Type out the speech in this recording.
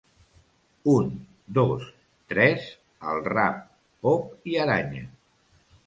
Un, dos, tres, al rap, pop i aranya.